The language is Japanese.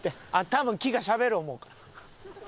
多分木がしゃべる思うから。